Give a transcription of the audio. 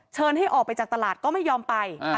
ให้ออกไปจากตลาดก็ไม่ยอมไป